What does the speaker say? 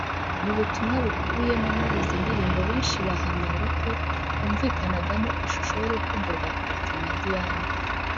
Mu butumwa bukubiyemo muri izi ndirimbo benshi bahamyaga ko humvikanagamo ishusho y’urukundo rwa Platini na Diane